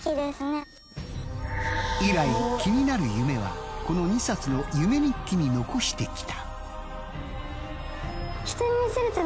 以来気になる夢はこの２冊の夢日記に残してきた。